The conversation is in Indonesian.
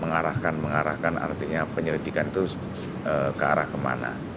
sehingga kita bisa mengarahkan artinya penyelidikan itu ke arah kemana